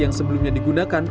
yang sebelumnya digunakan